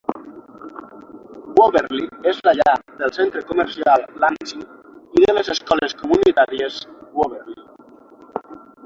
Waverly és la llar del centre comercial Lansing i de les escoles comunitàries Waverly.